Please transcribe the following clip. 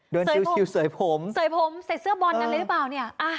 เดินชิลเสยผมเสยเสื้อบอลนั้นเลยหรือเปล่าเนี่ย